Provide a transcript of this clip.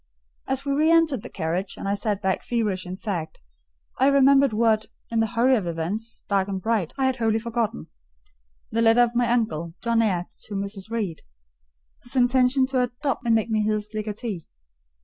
As we re entered the carriage, and I sat back feverish and fagged, I remembered what, in the hurry of events, dark and bright, I had wholly forgotten—the letter of my uncle, John Eyre, to Mrs. Reed: his intention to adopt me and make me his legatee.